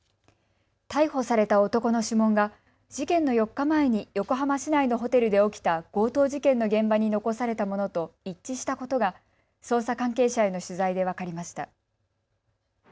逮捕された男の指紋が事件の４日前に横浜市内のホテルで起きた強盗事件の現場に残されたものと一致したことが捜査関係者への取材で分かりました。